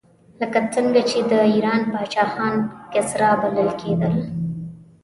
لکه څنګه چې د ایران پاچاهان کسرا بلل کېدل.